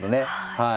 はい。